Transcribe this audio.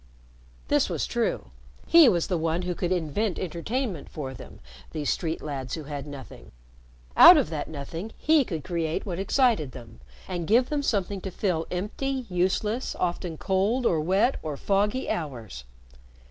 This was true. He was the one who could invent entertainment for them, these street lads who had nothing. Out of that nothing he could create what excited them, and give them something to fill empty, useless, often cold or wet or foggy, hours.